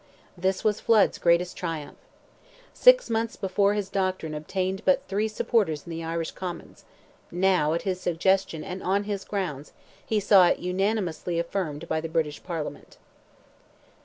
This was Flood's greatest triumph. Six months before his doctrine obtained but three supporters in the Irish Commons; now, at his suggestion, and on his grounds, he saw it unanimously affirmed by the British Parliament.